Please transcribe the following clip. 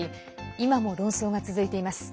今も論争が続いています。